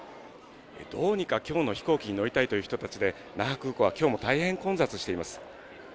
どうにかきょうの飛行機に乗りたいという人たちで、那覇空港はきょうも大変混雑しています。